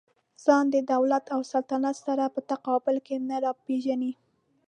ځان د دولت او سلطنت سره په تقابل کې نه راپېژني.